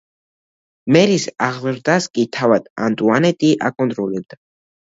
მერის აღზრდას კი თავად ანტუანეტი აკონტროლებდა.